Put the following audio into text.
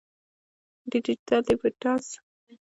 ډیجیټل ډیټابیس د ژبې د ژوندي پاتې کېدو وسیله ده.